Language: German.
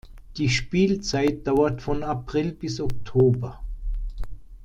Die Spielzeit dauert von April bis Oktober.